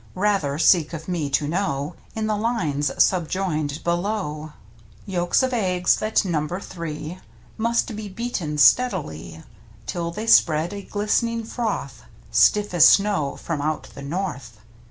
Rather seek of me to know In the lines subjoined below: Yolks of eggs, that number three, Must be beaten steadily Till they spread a glist'ning froth, Stiff as snow from out the north.